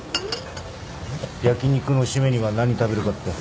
焼き肉の締めには何食べるかって。